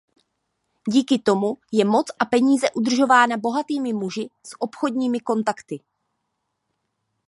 Díky tomu je moc a peníze udržována bohatými muži s obchodními kontakty.